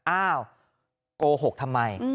อ้าวโกหกทำไม